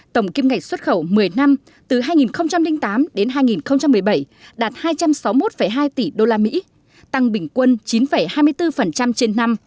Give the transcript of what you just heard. tổng kim ngạch xuất khẩu một mươi năm từ hai nghìn tám đến hai nghìn một mươi bảy đạt hai trăm sáu mươi một hai tỷ usd tăng bình quân chín hai mươi bốn trên năm